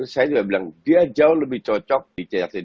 saya juga bilang dia jauh lebih cocok di chc